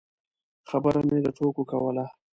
خبره مې د ټوکو کوله.